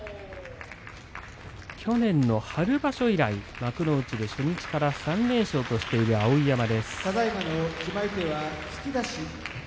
去年の春場所以来幕内で初日から３連勝としている碧山です。